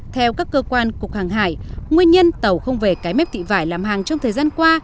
theo các cơ quan cục hàng hải nguyên nhân tàu không về cái mép thị vải làm hàng trong thời gian qua